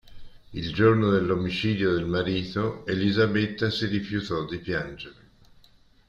Il giorno dell'omicidio del marito, Elisabetta si rifiutò di piangere.